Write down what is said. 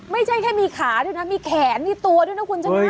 ไม่ใช่แค่มีขาด้วยนะมีแขนมีตัวด้วยนะคุณชนะ